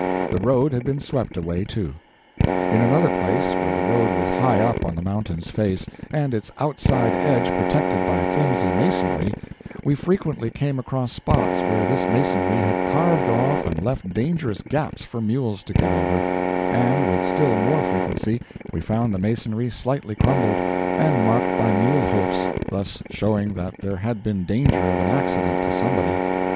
The road had been swept away, too. In another place, where the road was high up on the mountain's face, and its outside edge protected by flimsy masonry, we frequently came across spots where this masonry had carved off and left dangerous gaps for mules to get over; and with still more frequency we found the masonry slightly crumbled, and marked by mule hoofs, thus showing that there had been danger of an accident to somebody.